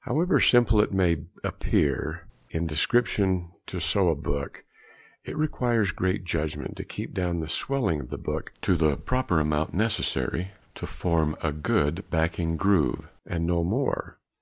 However simple it may appear in description to sew a book, it requires great judgment to keep down the swelling of the book to the proper amount necessary to form a good backing groove and no more.